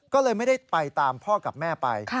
ก็เลยไม่ได้ไปตามพ่อกับแม่ไป